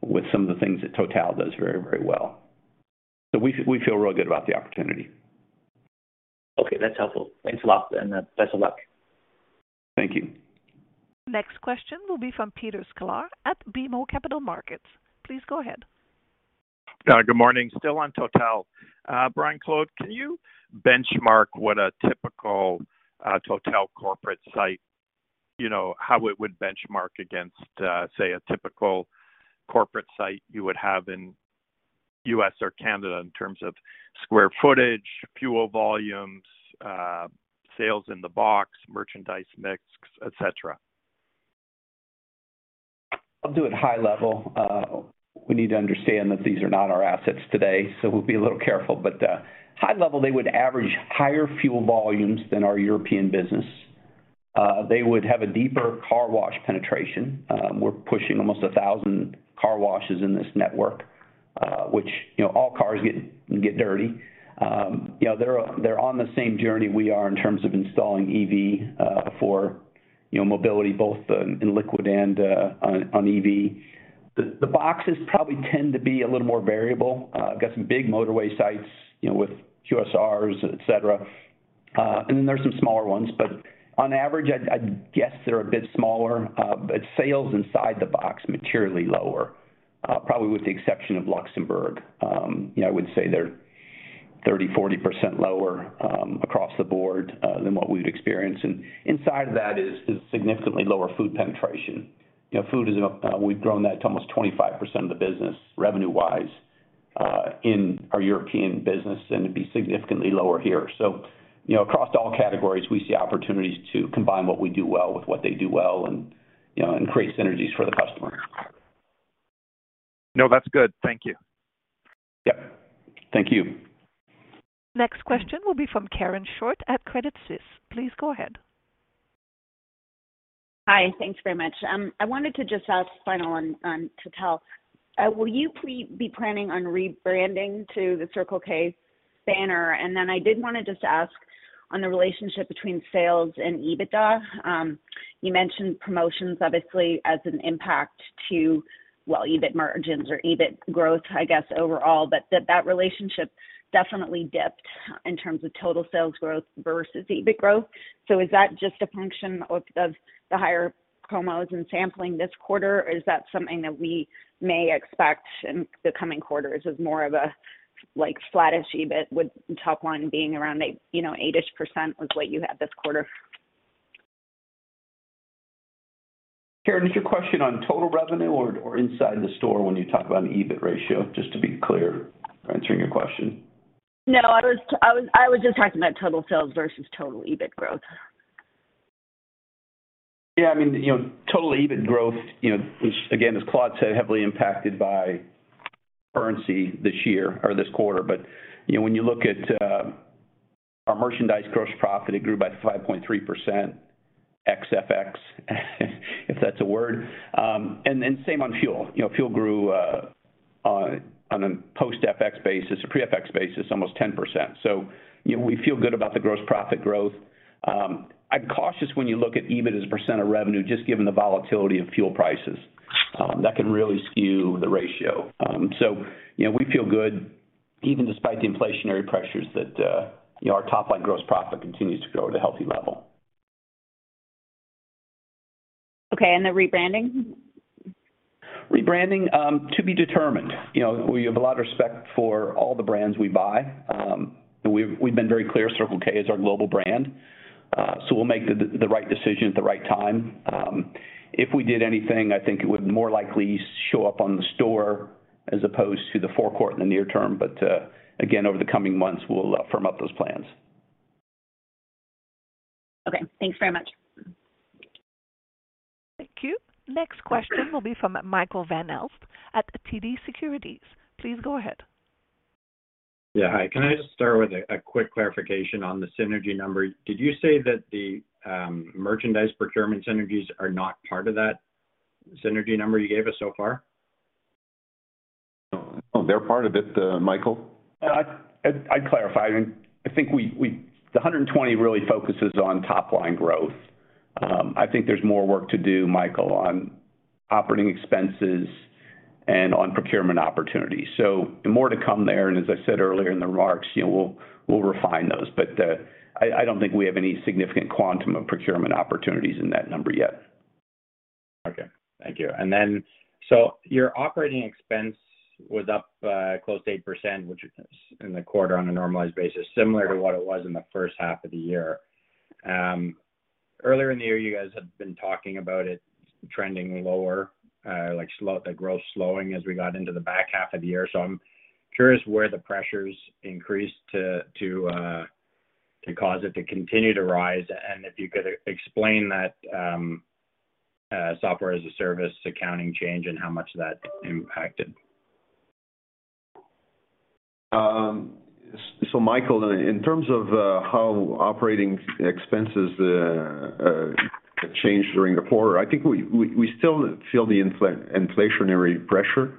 with some of the things that Total does very, very well. We feel really good about the opportunity. Okay, that's helpful. Thanks a lot and best of luck. Thank you. Next question will be from Peter Sklar at BMO Capital Markets. Please go ahead. Good morning. Still on Total. Brian, Claude, can you benchmark what a typical Total corporate site, you know, how it would benchmark against, say a typical corporate site you would have in U.S. or Canada in terms of square footage, fuel volumes, sales in the box, merchandise mix, et cetera? I'll do it high level. We need to understand that these are not our assets today, so we'll be a little careful. High level, they would average higher fuel volumes than our European business. They would have a deeper car wash penetration. We're pushing almost 1,000 car washes in this network, which, you know, all cars get dirty. You know, they're on the same journey we are in terms of installing EV, for, you know, mobility both in liquid and on EV. The boxes probably tend to be a little more variable. Got some big motorway sites, you know, with QSRs, et cetera. And there's some smaller ones, but on average, I'd guess they're a bit smaller. But sales inside the box materially lower, probably with the exception of Luxembourg. You know, I would say they're 30%, 40% lower across the board than what we've experienced. Inside that is significantly lower food penetration. You know, food is, we've grown that to almost 25% of the business revenue-wise in our European business, and it'd be significantly lower here. You know, across all categories, we see opportunities to combine what we do well with what they do well and, you know, and create synergies for the customer. No, that's good. Thank you. Yep. Thank you. Next question will be from Karen Short at Credit Suisse. Please go ahead. Hi. Thanks very much. I wanted to just ask final on Total. Will you be planning on rebranding to the Circle K banner? I did want to just ask on the relationship between sales and EBITDA. You mentioned promotions obviously as an impact to, well, EBIT margins or EBIT growth, I guess, overall. That relationship definitely dipped in terms of total sales growth versus EBIT growth. Is that just a function of the higher promos and sampling this quarter, or is that something that we may expect in the coming quarters as more of a, like, flattish EBIT with top line being around eight, you know, 8% with what you have this quarter? Karen, is your question on total revenue or inside the store when you talk about an EBIT ratio, just to be clear answering your question? No, I was just talking about total sales versus total EBIT growth. Yeah, I mean, you know, total EBIT growth, you know, which again, as Claude said, heavily impacted by currency this year or this quarter. You know, when you look at our merchandise gross profit, it grew by 5.3% ex FX, if that's a word. Same on fuel. You know, fuel grew on a pre FX basis, almost 10%. You know, we feel good about the gross profit growth. I'm cautious when you look at EBIT as a % of revenue, just given the volatility of fuel prices. That can really skew the ratio. You know, we feel good Even despite the inflationary pressures that, you know, our top-line gross profit continues to grow at a healthy level. Okay. And the rebranding? Rebranding to be determined. You know, we have a lot of respect for all the brands we buy. We've been very clear Circle K is our global brand, so we'll make the right decision at the right time. If we did anything, I think it would more likely show up on the store as opposed to the forecourt in the near term. Again, over the coming months, we'll firm up those plans. Okay. Thanks very much. Thank you. Next question will be from Michael Van Aelst at TD Securities. Please go ahead. Yeah. Hi. Can I just start with a quick clarification on the synergy number? Did you say that the merchandise procurement synergies are not part of that synergy number you gave us so far? No, they're part of it, Michael. I'd clarify. I mean, I think we. The 120 really focuses on top line growth. I think there's more work to do, Michael, on operating expenses and on procurement opportunities. More to come there, and as I said earlier in the remarks, you know, we'll refine those. I don't think we have any significant quantum of procurement opportunities in that number yet. Okay. Thank you. Your operating expense was up close to 8%, which is in the quarter on a normalized basis, similar to what it was in the first half of the year. Earlier in the year, you guys had been talking about it trending lower, like the growth slowing as we got into the back half of the year. I'm curious where the pressures increased to cause it to continue to rise, and if you could explain that Software-as-a-Service accounting change and how much that impacted. Michael, in terms of how operating expenses change during the quarter, I think we still feel the inflationary pressure.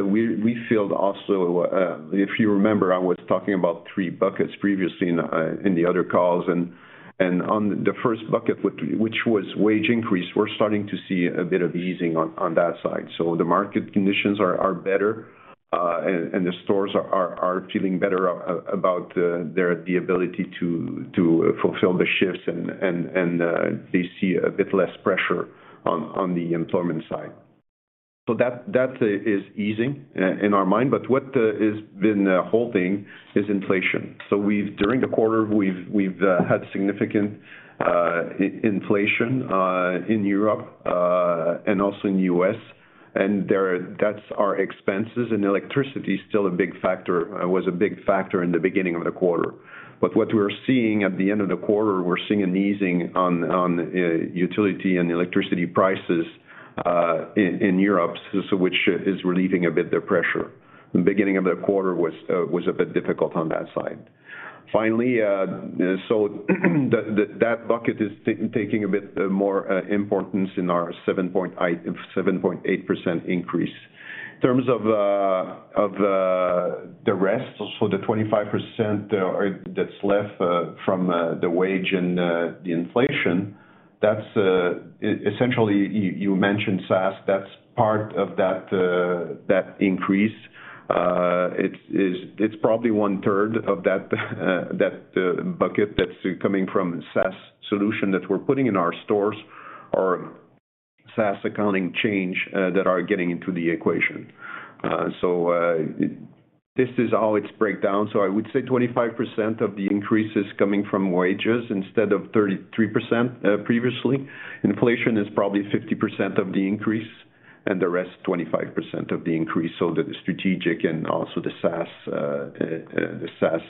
We feel also, if you remember, I was talking about three buckets previously in the other calls. On the first bucket, which was wage increase, we're starting to see a bit of easing on that side. The market conditions are better, and the stores are feeling better about the ability to fulfill the shifts and they see a bit less pressure on the employment side. That is easing in our mind. What has been holding is inflation. We've had significant inflation in Europe and also in U.S. That's our expenses and electricity is still a big factor, was a big factor in the beginning of the quarter. What we're seeing at the end of the quarter, we're seeing an easing on utility and electricity prices in Europe, which is relieving a bit the pressure. The beginning of the quarter was a bit difficult on that side. Finally, that bucket is taking a bit more importance in our 7.8% increase. In terms of the rest, the 25% that's left from the wage and the inflation, that's essentially, you mentioned SaaS, that's part of that increase. It's probably one third of that bucket that's coming from SaaS solution that we're putting in our stores or SaaS accounting change that are getting into the equation. This is how it's break down. I would say 25% of the increase is coming from wages instead of 33% previously. Inflation is probably 50% of the increase, and the rest, 25% of the increase. The strategic and also the SaaS, the SaaS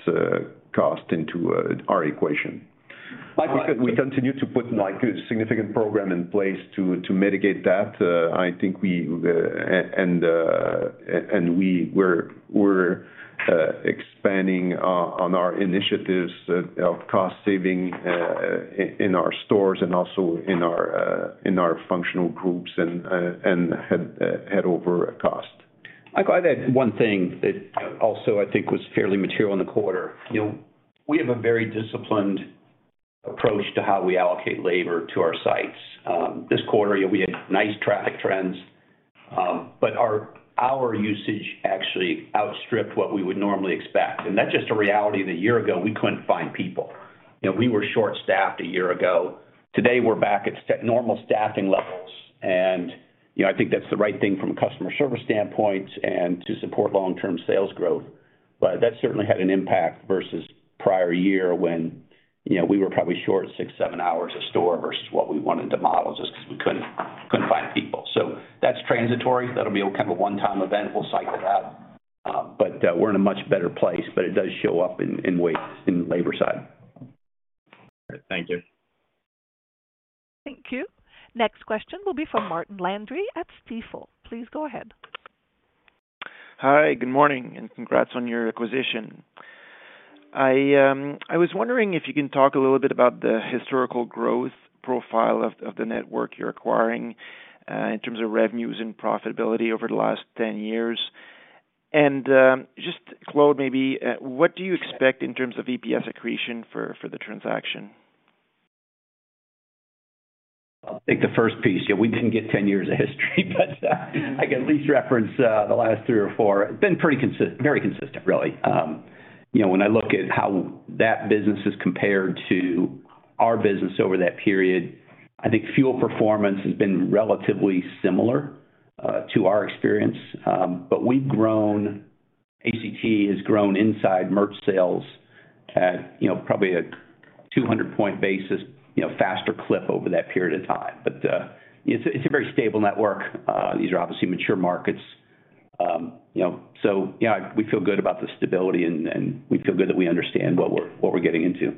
cost into our equation. Like we said, we continue to put like a significant program in place to mitigate that. I think we, and we're expanding on our initiatives of cost saving, in our stores and also in our functional groups and head over cost. Michael, I'd add one thing that also I think was fairly material in the quarter. You know, we have a very disciplined approach to how we allocate labor to our sites. This quarter, you know, we had nice traffic trends, but our hour usage actually outstripped what we would normally expect. That's just a reality that a year ago, we couldn't find people. You know, we were short-staffed a year ago. Today, we're back at normal staffing levels, and, you know, I think that's the right thing from a customer service standpoint and to support long-term sales growth. That certainly had an impact versus prior year when, you know, we were probably short six, seven hours a store versus what we wanted to model just 'cause we couldn't find people. That's transitory. That'll be kind of a one-time event. We'll cycle that, we're in a much better place, but it does show up in ways in labor side. Thank you. Thank you. Next question will be from Martin Landry at Stifel. Please go ahead. Hi, good morning, and congrats on your acquisition. I was wondering if you can talk a little bit about the historical growth profile of the network you're acquiring, in terms of revenues and profitability over the last 10 years. Just Claude, maybe, what do you expect in terms of EPS accretion for the transaction? I think the first piece, yeah, we didn't get 10 years of history, but I can at least reference the last three or four. It's been pretty very consistent, really. You know, when I look at how that business has compared to our business over that period, I think fuel performance has been relatively similar to our experience. ACT has grown inside merch sales at, you know, probably a 200 point basis, you know, faster clip over that period of time. It's a very stable network. These are obviously mature markets. You know, yeah, we feel good about the stability and we feel good that we understand what we're, what we're getting into.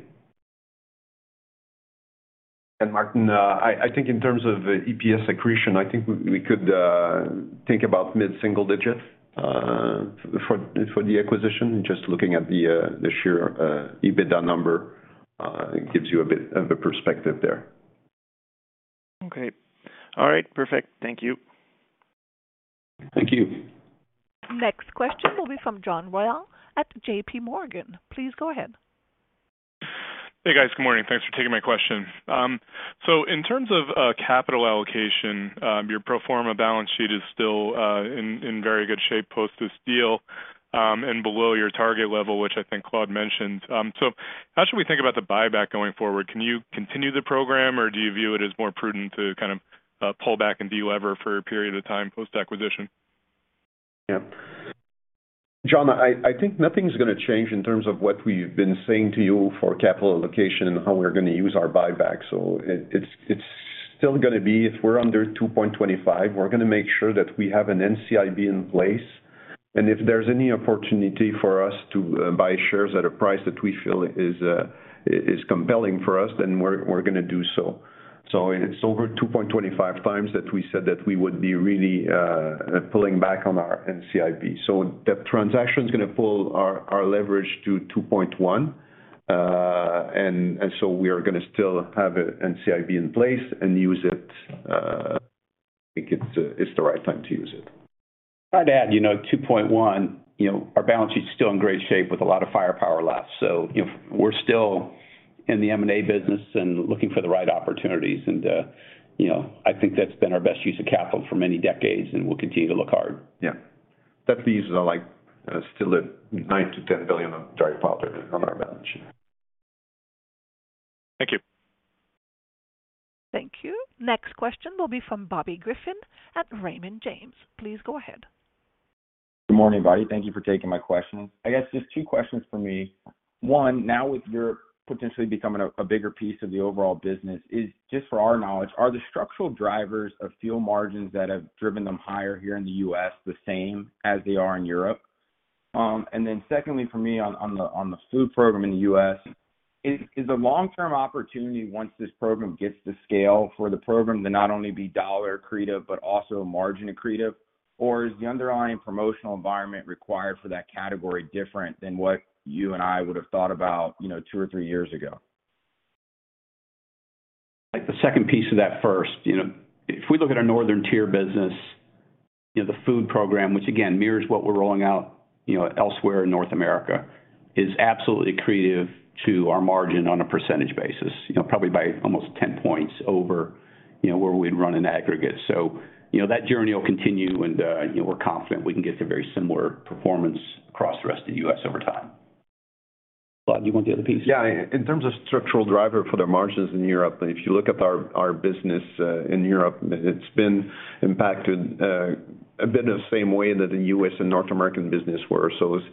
Martin, I think in terms of EPS accretion, I think we could think about mid-single digits for the acquisition. Just looking at the sheer EBITDA number gives you a bit of a perspective there. Okay. All right, perfect. Thank you. Thank you. Next question will be from John Royall at JPMorgan. Please go ahead. Hey, guys. Good morning. Thanks for taking my question. In terms of capital allocation, your pro forma balance sheet is still in very good shape post this deal, and below your target level, which I think Claude mentioned. How should we think about the buyback going forward? Can you continue the program or do you view it as more prudent to kind of pull back and de-lever for a period of time post-acquisition? Yeah. John, I think nothing's gonna change in terms of what we've been saying to you for capital allocation and how we're gonna use our buyback. It's still gonna be, if we're under 2.25, we're gonna make sure that we have an NCIB in place and if there's any opportunity for us to buy shares at a price that we feel is compelling for us, we're gonna do so. It's over 2.25x that we said that we would be really pulling back on our NCIB. The transaction's gonna pull our leverage to 2.1. We are gonna still have a NCIB in place and use it if we think it's the right time to use it. If I could add, you know, 2.1, you know, our balance sheet's still in great shape with a lot of firepower left. You know, we're still in the M&A business and looking for the right opportunities and, you know, I think that's been our best use of capital for many decades and we'll continue to look hard. Yeah. That leaves, like, still at $9 billion-$10 billion of firepower on our balance sheet. Thank you. Thank you. Next question will be from Bobby Griffin at Raymond James. Please go ahead. Good morning, Bobby. Thank you for taking my question. I guess just two questions from me. One, now with Europe potentially becoming a bigger piece of the overall business, is just for our knowledge, are the structural drivers of fuel margins that have driven them higher here in the U.S. the same as they are in Europe? Secondly for me on the food program in the U.S., is a long-term opportunity once this program gets to scale for the program to not only be dollar accretive but also margin accretive or is the underlying promotional environment required for that category different than what you and I would have thought about, you know, two or three years ago? I'll take the second piece of that first. You know, if we look at our Northern Tier business, you know, the food program, which again mirrors what we're rolling out, you know, elsewhere in North America, is absolutely accretive to our margin on a percentage basis, you know, probably by almost 10 points over, you know, where we'd run in aggregate. You know, that journey will continue and, you know, we're confident we can get to very similar performance across the rest of the U.S. over time. Claude, do you want the other piece? In terms of structural driver for the margins in Europe, if you look at our business in Europe, it's been impacted a bit of the same way that the U.S. and North American business were. It's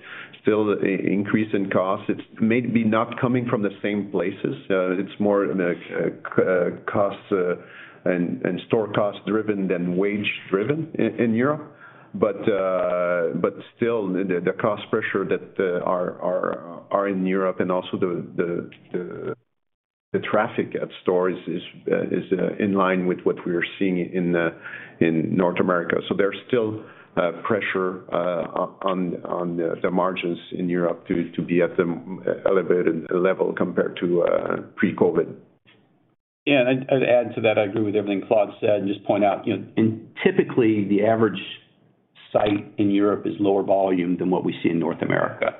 still increase in costs. It's maybe not coming from the same places. It's more cost and store cost driven than wage driven in Europe. Still the cost pressure that are in Europe and also the traffic at stores is in line with what we're seeing in North America. There's still pressure on the margins in Europe to be at the elevated level compared to pre-COVID. I'd add to that I agree with everything Claude said and just point out, you know, and typically the average site in Europe is lower volume than what we see in North America.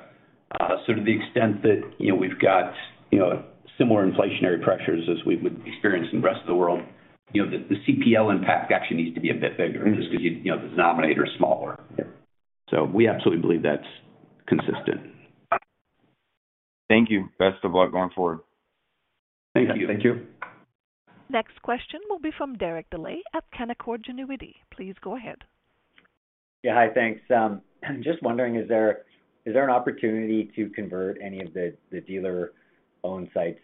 To the extent that, you know, we've got, you know, similar inflationary pressures as we would experience in the rest of the world, you know, the CPL impact actually needs to be a bit bigger just 'cause you know, the denominator is smaller. Yeah. We absolutely believe that's consistent. Thank you. Best of luck going forward. Thank you. Thank you. Next question will be from Derek Dley at Canaccord Genuity. Please go ahead. Yeah. Hi. Thanks. Just wondering, is there an opportunity to convert any of the dealer-owned sites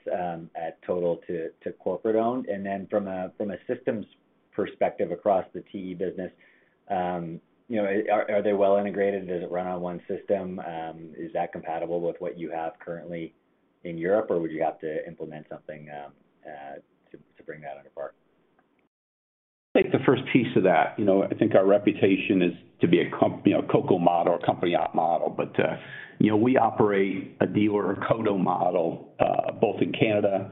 at Total to corporate-owned? From a systems perspective across the TE business, you know, are they well integrated? Does it run on one system? Is that compatible with what you have currently in Europe or would you have to implement something to bring that on par? I'll take the first piece of that. You know, I think our reputation is to be a, you know, a COCO model or a company op model. You know, we operate a dealer or CODO model both in Canada,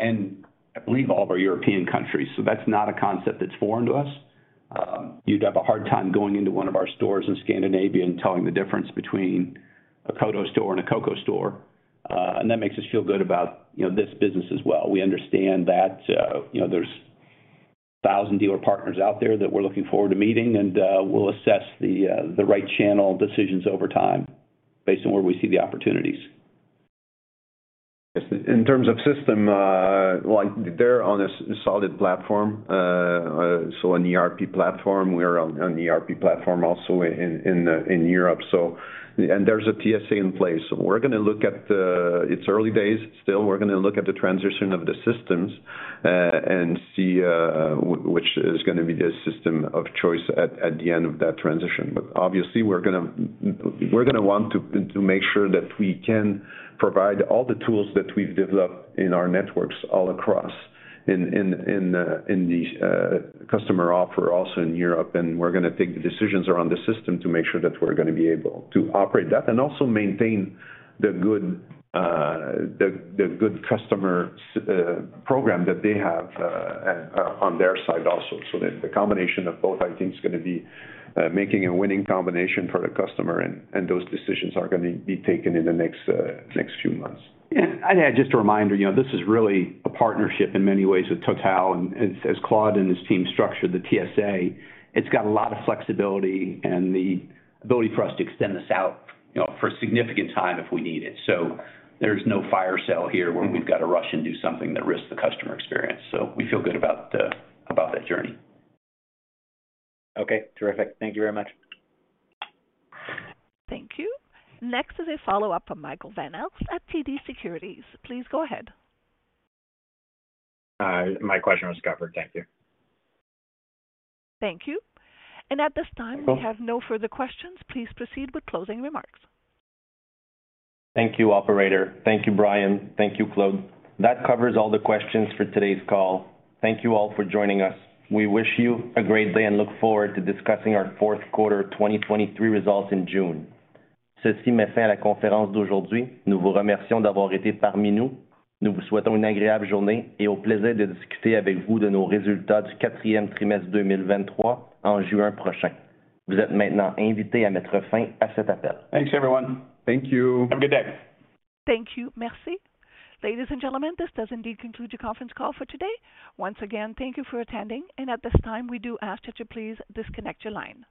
and I believe all of our European countries, so that's not a concept that's foreign to us. You'd have a hard time going into one of our stores in Scandinavia and telling the difference between a CODO store and a COCO store. That makes us feel good about, you know, this business as well. We understand that, you know, there's 1,000 dealer partners out there that we're looking forward to meeting. We'll assess the right channel decisions over time based on where we see the opportunities. In terms of system, like they're on a solid platform, so an ERP platform. We're on ERP platform also in Europe. There's a TSA in place. We're gonna look at the. It's early days still. We're gonna look at the transition of the systems and see which is gonna be the system of choice at the end of that transition. Obviously we're gonna want to make sure that we can provide all the tools that we've developed in our networks all across in the customer offer also in Europe. We're gonna take the decisions around the system to make sure that we're gonna be able to operate that and also maintain the good customer program that they have on their side also. The combination of both, I think is gonna be making a winning combination for the customer, and those decisions are gonna be taken in the next few months. Just a reminder, you know, this is really a partnership in many ways with Total and as Claude and his team structured the TSA, it's got a lot of flexibility and the ability for us to extend this out, you know, for a significant time if we need it. There's no fire sale here where we've gotta rush and do something that risks the customer experience. We feel good about about that journey. Okay, terrific. Thank you very much. Thank you. Next is a follow-up from Michael Van Aelst at TD Securities. Please go ahead. My question was covered. Thank you. Thank you. At this time, we have no further questions. Please proceed with closing remarks. Thank you, operator. Thank you, Brian. Thank you, Claude. That covers all the questions for today's call. Thank you all for joining us. We wish you a great day and look forward to discussing our fourth quarter 2023 results in June. Thanks, everyone. Thank you. Have a good day. Thank you. Jean. Ladies and gentlemen, this does indeed conclude your conference call for today. Once again, thank you for attending, and at this time we do ask that you please disconnect your line.